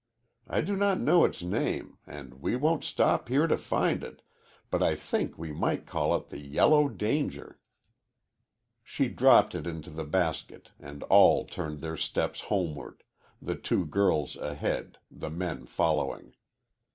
I do not know its name, and we won't stop here to find it, but I think we might call it the Yellow Danger." She dropped it into the basket and all turned their steps homeward, the two girls ahead, the men following.